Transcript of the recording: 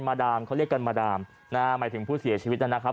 ดามเขาเรียกกันมาดามนะฮะหมายถึงผู้เสียชีวิตนะครับ